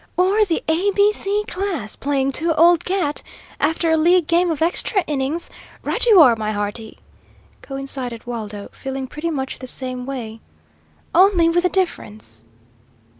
"Or the A B C class playing two old cat, after a league game of extra innings; right you are, my hearty!" coincided Waldo, feeling pretty much the same way, "only with a difference."